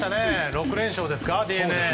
６連勝ですかＤｅＮＡ。